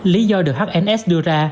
lý do được hnx đưa ra